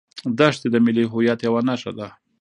دښتې د ملي هویت یوه نښه ده.